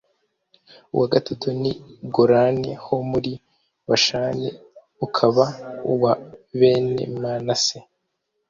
uwa gatatu ni golani ho muri bashani, ukaba uwa bene manase.